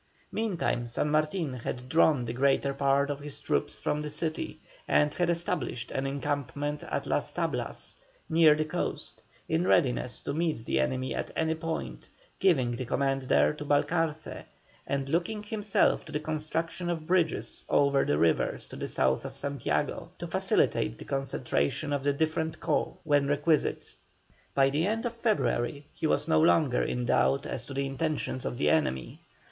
Meantime San Martin had drawn the greater part of his troops from the city and had established an encampment at Las Tablas near the coast, in readiness to meet the enemy at any point, giving the command there to Balcarce, and looking himself to the construction of bridges over the rivers to the south of Santiago, to facilitate the concentration of the different corps when requisite. By the end of February he was no longer in doubt as to the intentions of the enemy.